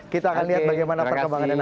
kita akan lihat bagaimana perkembangannya